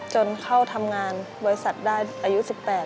จนเข้าทำงานบริษัทได้อายุ๑๘